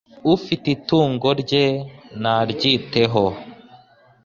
Ufite itungo rye naryiteho